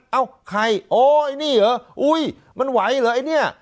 เอ้าใครโอ๊ยไอ้นี่เหรออุ๊ยมันไหวเหรอไอ้เนี่ย